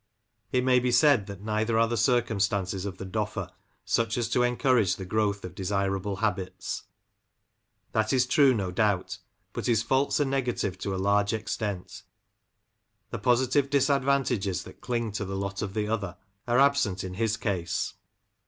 It may be said that neither are the circumstances of the Doffer such as to encourage the growth of desirable habits. That is true, no Lancashire Factory Doffers, 53 doubt, but his faults are negative to a large extent, the positive disadvantages that cling to the lot of the other are absent in his case.